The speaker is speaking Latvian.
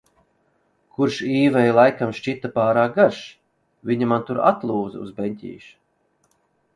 Kurš Īvei laikam šķita pārāk garš, viņa man tur atlūza uz beņķīša.